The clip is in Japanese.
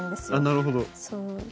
なるほど。